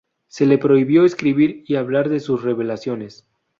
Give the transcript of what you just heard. Se le prohibió escribir y hablar de sus revelaciones.